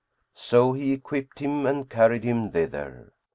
So he equipped him and carried him thither.